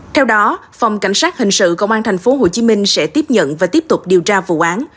theo đó phòng cảnh sát hình sự công an tp hcm sẽ tiếp nhận và tiếp tục điều tra vụ án